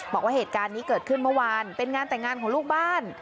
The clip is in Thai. บอกว่าเหตุการณ์นี้เกิดขึ้นเมื่อวานเป็นงานแต่งงานของลูกบ้าน